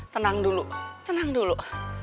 tenang dulu tenang dulu